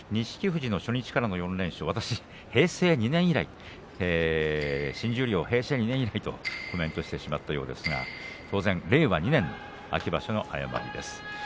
富士の初日からの４連勝、私平成２年以来新十両、平成２年以来とコメントしてしまったようですが当然、令和２年秋場所の誤りです。